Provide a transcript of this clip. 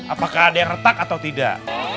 apakah ada yang retak atau tidak